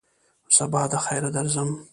سبا دخیره درځم !